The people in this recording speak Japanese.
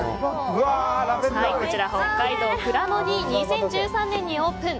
こちらは北海道の富良野に２０１３年にオープン。